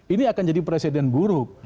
ini akan jadi presiden buruk